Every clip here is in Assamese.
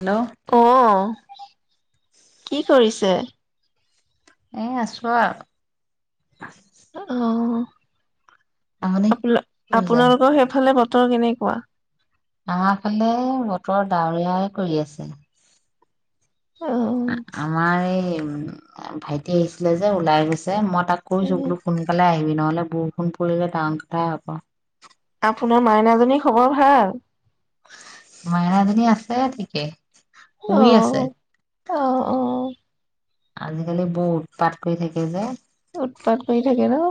হেল্ল' অ। কি কৰিছে? এ আছো আও [unintelligible] আপ হৈছে আপোনালোকৰ সেইফালে বতৰ কেনেকুৱা? আমাৰফালে বতৰ ডাৱৰীয়াই কৰি আছে। অ', আমাৰ এই ভাইটি আহিছিলে যে ওলাই গৈছে মদ তাক এ কৈছো বোলো সোনকালে আহি দিনলে বৰষুণ পৰিলে ডাঙৰ কথাই হ'ব আপোনাৰ মাইনাজনীৰ খবৰ ভাল? মাইনা জনী আছে ঠিকে শুই আহ আছে আহ অ আজিকালি ব উৎপাত কৰি থাকে যে উৎপাত কৰি থাকে ন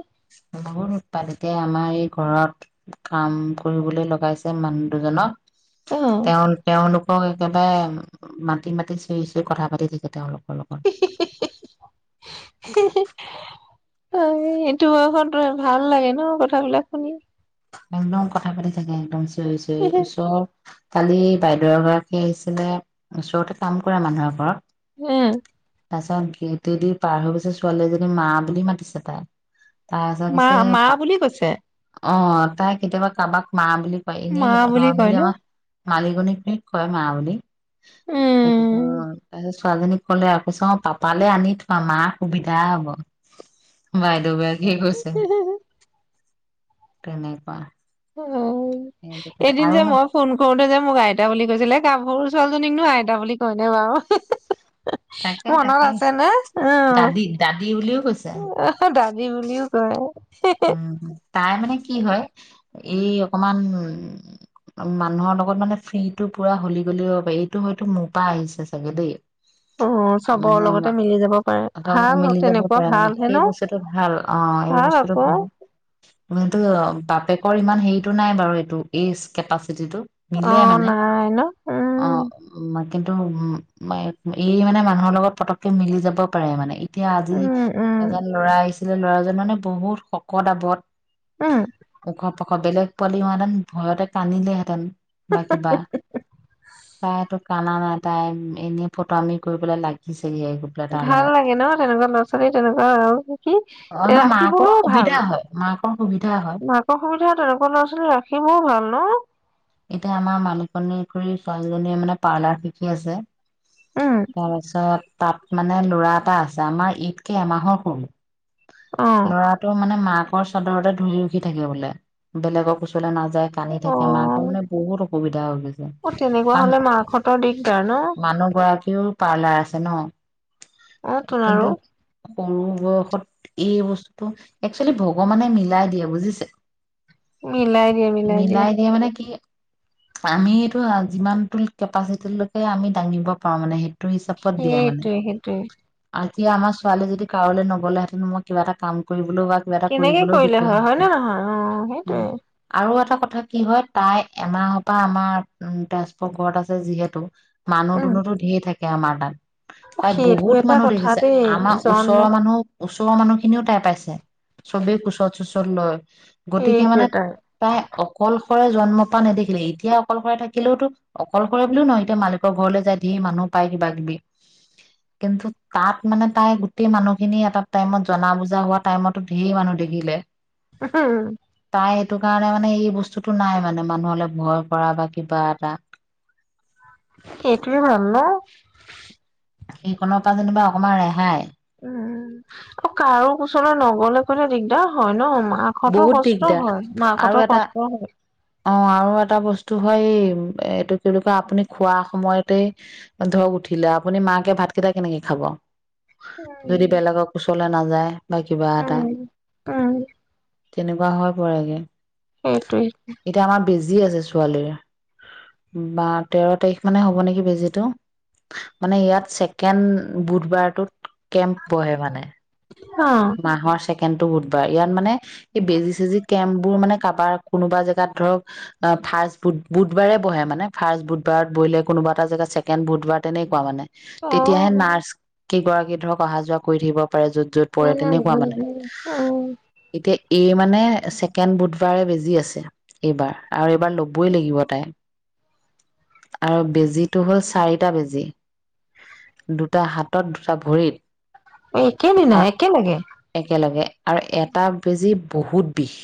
বহুত উৎপাত এতিয়া আমাৰ এই ঘৰত কাম কৰিবলৈ লগাইছে মানুহ দুজনক অ', তেওঁ তেওঁলোক হয় একেবাই মাতি মাতি চুই চুই কথা পাতি থাকে তেওঁলোক হি হি হি হি, হি হি ত সেইটো বয়সত ভাল লাগে ন কথাবিলাক শুনি একদম কথা পাতি থাকে একদম চ চয় চব কালি বাইদেউৰ এগৰাকী আছিলে ওচৰতে কাম কৰা মানুহ এঘৰত হম তাৰ পিছত গেটেদি পাৰ হৈ গৈছে ছোৱালী এজনী মা বুলি মাতিছে তাইক মা মা বুলি কৈছে অঁ তাই কেতিয়াবা কাবাক মা বুলি বা মা এনেই বুলি কয় নৰ্মেলি ন? আমাৰ মালিকনীকনীক কয় মা বুলি স উম, [unintelligible] ছোৱালীজনী ক'লে আৰু কৈছে অ পাপালে আনি থোৱা মাৰ সুবিধা হব। বাইদেউ গৰা স কৈছে। তেনেই ৱাহ অ এদিন যে মই ফোন কৰোতে যে মোক আইতা বুলি কৈছিলে গাভৰু ছোৱালীজনীকনো আইতা বুলি কয় ন বাৰু? হে হে হে তাকে তাকে দাদী দাদী বুলিও কৈছে অ দাদী বুলিও কয় উম হ। তাই মানে কি হয় এই অকমান উ মানুহৰ লগত মানে ফ্ৰীটো পুৰা হলি গলি হ'ব পাৰে এইটো হয়তো মোৰপৰা আহিছে চাগে দেই। অ চবৰ মানে লগতে মা- মিলি যাব পাৰে অকমান ভাল মিলি যাব তেনেকুৱা পৰা মানে ভাল হে সেই ন? বস্তুটো ভাল ভাল অ আকৌ হ টো বাপেকৰ ইমান হেৰিটো নাই বাৰু এইটো এই কেপাচিটি টো। অ মিলে মানে। নাই ন অ উম কিন্তু উ এই মানে মানুহৰ লগত পতককে মিলি যাব পাৰে মানে এতিয়া আজি উম উম এজন ল'ৰা আহিছে আছিলে ল'ৰাজন মানে বহুত শকত- আৱত উম! বেলেগ পোৱালি হোৱাহেতেন ভয়তে কান্দিলেহেঁতেন। বা কিবা। তাইটো কানা নাই তাই এনে ফটোৱামি কৰিবলৈ লাগিছে ভাল লাগে ন তেনেকুৱা ল'ৰা ছোৱালী? তেনেকুৱা আৰু অ ন কি ৰাখিব মাকৰ সুবিধা ভাল। হয় মাকৰ সুবিধা হয় মাকৰ সুবিধা। তেনেকুৱা ল'ৰা ছোৱালী ৰাখিবও ভাল ন? এতিয়া আমাৰ মালিকনী খুড়ীৰ ছোৱালীজনীয়ে মানে পাৰ্লাৰ শিকি আছে উম তাৰপাছত তাত মানে লৰা এটা আছে। আমাৰ ইতকে এমাহৰ অ সৰু। লৰাটোৰ মানে মাক ব চাদৰতে ধুৰি উঠি থাকে বোলে বেলেগৰ কোচলৈ না যায় কান্দি অ থাকে মাত মানে বহুত অসুবিধা হৈ গৈছে। অ তেনেকুৱা কাৰণ হলে মাকহঁতৰ দিগদাৰ ন মানুহ গৰাকীও, পাৰ্লাৰ আছে ন অ' তোন কিন্তু আৰু? সৰু বয়সত এই বস্তুটো, একচুৱেলি ভগৱানে মিলাই দিয়ে বুজিছে। মিলাই দিয়ে মিলাই দিয়ে। কি আমিটো যিমানটো কেপাচিটিলৈকে আমি দাঙিব পাৰো মানে সেইটো-া হিচাপত দিয়া মানে? সেইটোৱে সেইটোৱে এতিয়া আমাৰ ছোৱালীয়ে যদি কাৰোলৈ নগলেহেঁতেন মই কিবা এটা কাম কৰি কেনেকে কৰিলে হয়। হয়নে নহয় অ' উম সেইটোৱেই। আৰু এটা কথা কি হয় তাই এমাহৰ পৰা আমাৰ তেজপুৰ ঘৰত আছে যিহেতু মানুহ উম দুনহতো ঢেৰ থাকে-া এ' আমাৰ তাত। তাই সেইটো বহুত এটা মানুহ কথা দেখিছে, দেই আমাৰ জন্ম ওচৰৰ মানুহ ওচৰৰ মানুহ খিনিও তাই পাইছে। চবেই কোচত চোছত লয়। গতিকে সেইটো মানে এটাই তাই অকল অকলৰে জন্ম পৰা নেদেখিলে। এতিয়া অকলশৰে থাকিলেওতো অকলশৰে বুলিও নহয়, এতিয়া মালিকৰ ঘৰলৈ যায়, ধেৰ মানুহ পায়, কিবা কিবি কিন্তু তাত মানে তাই গোটেই মানুহখিনি এটা টাইমত জনা বুজা হোৱা টাইমতো ঢেৰ মানুহ দেখিলে, ও' হোঃ তাই সেইটো কাৰণে মানে এই বস্তু টো নাই মানে, মানুহলে ভয় কৰা বা কিবা এটা এইটোৱেই ভাল ন? গাখীৰখনৰ পৰা যেনিবা অকণমান ৰেহাই' উম অ' কাৰো ওচৰলৈ নগলে কলে দিগদাৰ হয় ন মাৰ বহুত দিগদাৰ, আৰু এটা কষ্ট হয় অ' আৰু এটা বস্তু হয়, এইটো কি বুলি কয় আপুনি খোৱা সময়তে ধৰক উঠিলে আপুনি মাকে ভাত কেইটা কেনেকে খাব। যদি বেলেগৰ কোচলৈ নাযায়। বা কিবা উম এটা উম তেনেকুৱা হৈ পৰেগে। সেইটেই। এতিয়া আমাৰ বেজি আছে ছোৱালীৰ। বা তেৰ তাৰিখ মানে হ'ব নেকি বেজিটো। মানে ইয়াত ছেকেণ্ড বুধবাৰটোত কেম্প বহে মানে। অ মাহৰ চেক কেনটো বুধবাৰ, ইয়াত মানে এই বেজি চেজি কেম্প বোৰ মানে, কাৰবাৰ কোনোবা জেগাত ধৰক অ ফাৰ্ষ্ট বুধ বুধবাৰে বহে মানে, ফাৰ্ষ্ট বুধবাৰত বহিলে, কোনোবা এটা জেগাত ছেকেণ্ড বুধবাৰ তেনেকুৱা মানে। অ তেতিয়াহে নাৰ্চ কেইগৰাকী ধৰক অহা যোৱা কৰি থাকিব পাৰে য পৰে উম তেনেকুৱা উম মানে, উম উম এতিয়া এই মানে ছেকেণ্ড বুধবাৰে বেজি আছে এইবাৰ, আৰু এবাৰ ল'বই লাগিব তাই। আৰু বেজিটো হ'ল চাৰিটা বেজি, দুটা হাতত দুটা ভৰিত। একেইদিনাই, আৰু একে লগে। একেলগে, আৰু এটা বেজী বহুত বিষ।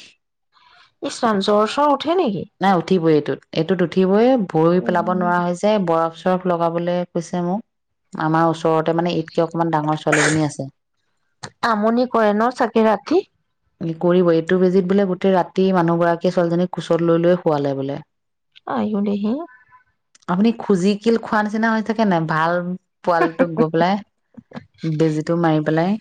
ইছ ৰাম, জ্বৰ-চ্বৰ উঠে নেকি? নাই উঠিবই এইটোত উঠিবয়ে ভৰি পেলাব উম নোৱাৰা হৈ যায়, বৰফ চৰফ লগাবলৈ কৈছে মোক, আমাৰ ওচ ওচৰতে মানে এইতকে অকমান ডাঙৰ ছোৱালীজনী আছে। আমনি কৰে ন, চাগে ৰাতি কৰিবয়ে এইটো বেজিত বোলে গোটেই ৰাতি মানুহগৰাকীয়ে ছোৱালীজনীক কোচত লৈ লয়ে শোৱালে বোলে। আইও দেহি। আপুনি খুজি কিল খোৱা নিচিনা হৈ থাকে নে, ভাল পোৱালটো গৈ পেলাই, বেজীটো মাৰি পেলাই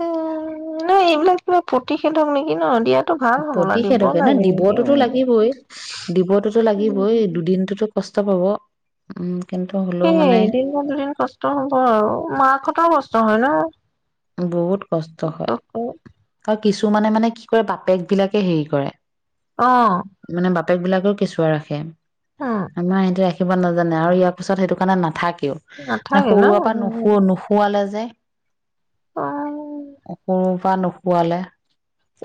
উম, নাই এইবিলাক কিবা প্ৰতিষেধক নেকি ন, দিয়াত প্ৰতিষেধকে ন, দিবটোতো লাগিবই, দিবটোতো উম। লাগিবই, দুদিনটোতো কষ্ট কষ্ট পাব, উম। কিন্তু হ'লেও সেই মানে এদিন বা দুদিন কষ্ট হ'ব আৰু মাকহঁতৰো কষ্ট হয় ন? বহুত কষ্ট হয়, বিশেষকৈ তা কিছুমানে মানে কি কৰে, বাপেক বিলাকে হেৰি কৰে অহ। মানে বাপেক বিলাকেও কেঁচুৱা ৰাখে। আমাৰ এতিয়া আহ কিব নাজানে আৰু ইয়াৰ পিছত সেইটো কাৰণে নাথাক কেও, মানে নাথাকে ন সৰুৰে পৰা উম, নুসু, নুশুৱালে যে। যায়। অ'। সৰুৰ পৰা নুশুৱালে।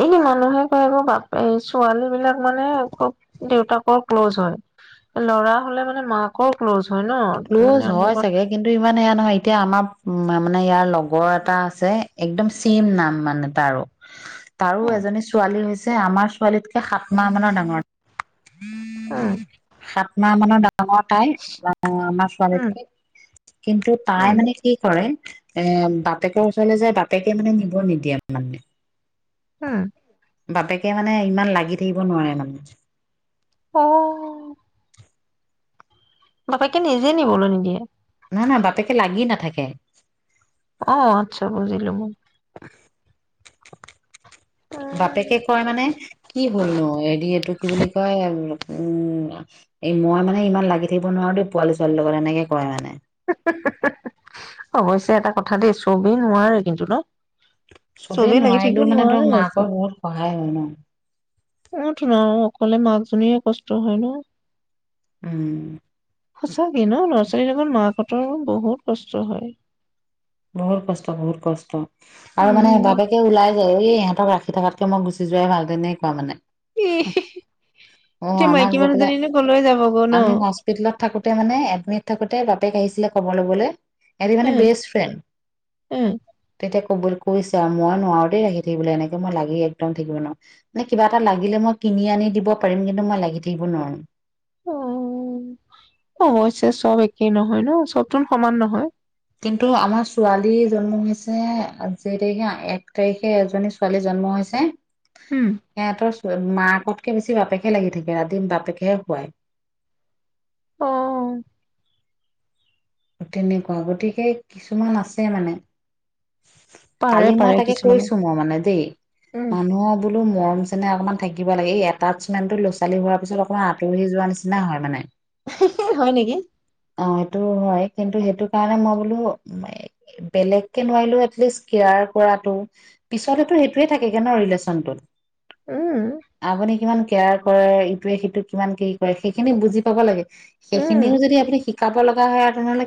এই মানুহে কয়, এইবোৰ বাপ, এই ছোৱালী বিলাক মানে খুব দেউতাকৰ ক্ল'জ হয়, ল'ৰা হ'লে মানে মাকৰ ক্ল'জ হয় ন ক্ল'জ মানে হয় লগত চাগে, কিন্তু ইমান সেয়া নহয় এতিয়া আমাৰ, উ মানে ইয়াৰ লগৰ এটা আছে একদম চেম নাম মানে তাৰো তাৰো উম, এজনী ছোৱালী হৈছ ছে আমাৰ ছোৱালীতকে সাত মাহ মানৰ ডাঙৰ। উম। নাই মানে দাক আমাৰ তাই, লা অ', আমাৰ উম, ছোৱালীতকে, কিন্তু তাই উম, মানে কি কৰে এ বাপেকৰ ওচৰলৈ যায়, বাপেকে মানে নিব নিদিয়ে মানে। উম। বাপেকে মানে ইমান লাগি থাকিব নোৱাৰে মানে। অ'। বাপেকে নিজে নিবলৈ নিদিয়ে। না না, বাপেকে লাগিয়ে নাথাকে। অহ, আচ্ছা বুজিলো মই। উম। বাপেকে কয় মানে, কি হ'ল নো? হেদি এইটো কি বুলি কয় এ উম, আ, এই মই মানে ইমান লাগি থাকিব নোৱাৰো দেই পোৱালি-ছোৱালী লগত, এনেকে কয় মানে। হেহ, হেহ, হেহ, হেহ, হেহ, অৱশ্যে এটা কথা দেই, চবে নোৱাৰে কিন্তু ন? চবেই লাগি থাকিব নোৱাৰিলেওঁ মানে নোৱাৰে ধৰক, আকৌ মাকৰ বহুত সহায় হয় ন। কলে মাকজনীৰে কষ্ট হয় ন। উম। সঁচাকে ন? ল'ৰা-ছোৱালী লগত মাক হতৰো বহুত কষ্ট হয়। বহুত কষ্ট, বহুত কষ্ট। আৰু মানে উম বাপেকে ওলাই যায়, এই ইহঁতক ৰাখ ৰখী থকাতকে মই গুচি যোৱাই ভাল, তেনেকুৱা মানে। এ হি। অহ, এতিয়া আমাক মাইকী গৈ পেলাই, মানুহজনীনো কলৈ যাবগৈ ন আমি হস্পিতলত থাকোতে মানে এডমিট থাকোত তে বাপেক আহিছিলে খবৰ লবলৈ। এহতি মানে বেষ্ট ফ্ৰেণ্ড। উম। তেতিয়া ক'বল কৈছে আৰু, মই নোৱাৰোঁ দেই আহি থাকিবলে এনেকে, মই লাগি একদম থাকিব নোৱাৰোঁ। মানে কিবা এটা লাগিলে মই কিনি আনি দিব পাৰিম। কিন্তু মই লাগি থাকিব নোৱাৰো। অ', অৱশ্যে চব একেই নহয় ন, চব তুন সমান নহয়। কিন্তু আমাৰ ছোৱালী জন্ম হৈছে, অ যেই তাৰিখে, এক তাৰিখে এজনী ছোৱালী জন্ম হৈছে। উম সিহঁতৰ চ টৱে, মাকতকে বেছি বাপেকহে লাগি থাকে, ৰাতি বাপেকহে খুৱায়। অ '। ও তেনেকুৱা, গতিকে কিছুমান আছে মানে। পাৰে কালি মই পাৰে তাকে কিছুমানে কৈছোঁ মই মানে দেই, উম মানুহৰ বোলোঁ মৰম চেনেহ অকণমান থাকিব লাগে, এই এটাচমেণ্টটো ল'ৰা-ছোৱালী হোৱাৰ পিছত অকণমান আঁতৰি যোৱা নিচিনা হয় মানে। হি‌, হি, হয় নেকি? অহ, সেইটোও হয়। কিন্তু সেইটো কাৰণে মই বোলো এ বেলেগ কে নোৱাৰিলেওঁ এটলিষ্ট কেয়াৰ কৰাটো, পিছতেতু সেইটোয়ে থাকেগে ন ৰিলেশ্বনটোত। উম আপুনি কিমান? কেয়াৰ কৰে, ইটোৱে-সিটোক কিমান কি কৰে সেইখিনি বুজি পাব লাগে। উম সেইখিনিও যদি আপুনি শি কাব লগা হয় আৰু তেনেহ'লে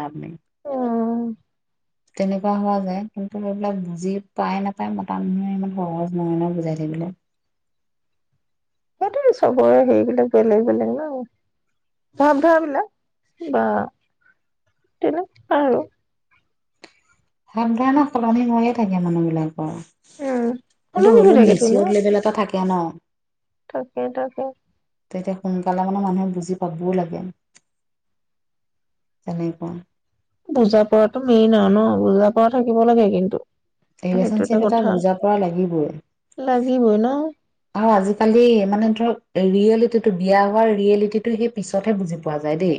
[unintelligible] আপুনি। অ তেনেকুৱা হোৱা যায় কিন্তু এইবিলাক বুজি পাই নাপায় মতা মানুহে ইমান সহজ নহয় নহয় নহ বুজাই থাকিবলে। সেইটোয়ে চবৰে হেৰিবিলাক বেলেগ বেলেগ ন ভাৱধাৰা বিলাক বা তেনেকুৱাই আৰু। ভাবধাৰা নহ সলনি হৈয়ে থাকে মানুহবিলাকৰ। অ উম কিন্তু সলনি হৈ হ'লেও থাকেতো ন মেচিয়ৰদ লেভেল এটা থাকে কে নহ। তাকে তাকে তেতিয়া সোনকালে মানে মানুহে বুজি পাবও লাগে তেনেকুৱা। বুজা পৰাটো মেইন আৰু ন? বুজা পৰা থাকিব লাগে কিন্তু। সেইটো এটা ৰিলে্চনশ্বিপ এটাত কথা বুজা পৰা লাগিবই। লাগিবই ন আৰু আজিকালি মানে ধৰক ৰিয়েলিটিটো বিয়া হোৱাৰ ৰিয়েলিটিটো সেই পিছতহে বুজি পোৱা যায় দেই।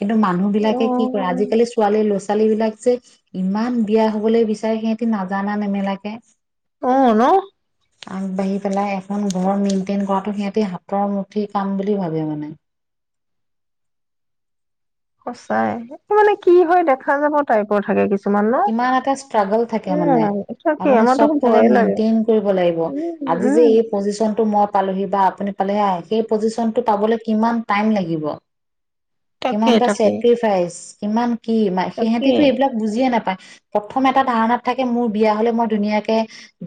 কিন্তু মানুহ অ বিলাকে কি কৰে আজিকালি ছোৱালীয়ে লৈ ছোৱালী বিলাক যে ইমান বিয়া হবলৈ বিচাৰে, সিহঁতি নাজানা নেমেলাকে। অঁ নহ আগবাঢ়ি পেলা এখন ঘৰ মেইনটেইন কৰাটো সিহঁতি হাতৰ মুঠিৰ কাম বুলি ভাবে মানে। সঁচাই, সেইটো মানে কি হয় দেখা যাব টাইপৰ থাকে কিছু কিমান এটা স্ত্ৰাগ'ল থাকে মানে, তাকে আপুনি আমাৰ চব দেখোন ফালে ভয়ে লাগে মেইনটেইন কৰিব লাগিব উম আজি যে উম এই পজিচনটো মই পালোহি বা আপুনি পালেহি, সেই পজিচনটো পাবলে কিমান টাইম লাগিব। তাকে কিমানটা তাকে চেক্ৰিফাইচ কিমান কি মা তাকে সিহেতিটো এইবিলাক বুজিয়ে নাপা প্ৰথম এটা ধাৰণাত থাকে মোৰ বিয়া হলে মই ধুনীয়াকে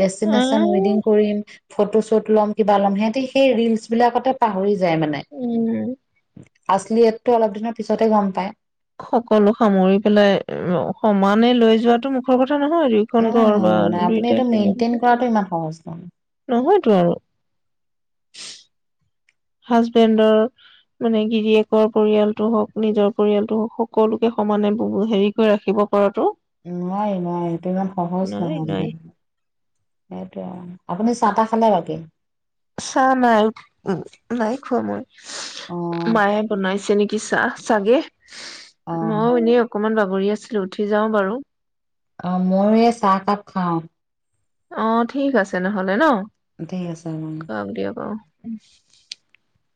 ডেচটিনেচন ৱেডিং উম কৰিম, ফটো শ্বুট ল'ম, কিবা ল'ম সিহঁতি সেই ৰিলছ বিলাকতে পাহৰি যা যায় মানে। উম আছলিয়তটো অলপ দিনৰ পিছতহে গম পায়। সকলো সামৰি পেলাই সমানে লৈ যোৱাটো মুখৰ কথা নহয় নহয় নহয় নহয় আপুনি এইটো মেইনটেইন কৰাটো ইমান সহজ [unintelligible] হাজবেন্দৰ মানে গিৰিয়েকৰ পৰিয়ালটো হওক, নিজৰ পৰিয়ালটো হওক, সকলোকে সমানে হেৰি কৰি ৰাখিব পৰাটো নোৱাৰি নোৱাৰি এইটো ইমান সহজ নোৱাৰি নহয় নোৱাৰি মানে, সেইটোৱে আৰু। আপুনি চাহ-তাহ খালে বাকী? চাহ নাই উ নাই খোৱা মই। অ মায়ে বনাইছে নি কি চাহ চাগে। অ মইয়ো এনেই অকমান বা কৰি আছিলো উঠি যাওঁ বাৰু। অ, ময়ো এই চাহকাপ খাওঁ। অ', ঠিক আছে নহলে ন। তাতে আছে মানে খাওক [unintelligible]